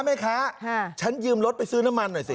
แม่ค้าฉันยืมรถไปซื้อน้ำมันหน่อยสิ